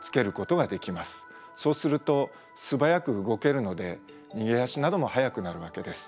そうすると素早く動けるので逃げ足なども速くなるわけです。